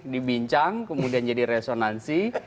dibincang kemudian jadi resonansi